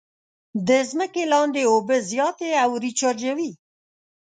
د ځمکې لاندې اوبه زیاتې او ریچارجوي.